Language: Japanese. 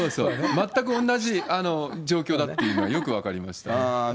全く同じ状況だっていうのはよく分かりました。